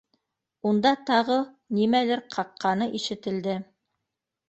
Унда тағы нимәлер ҡаҡҡаны ишетелде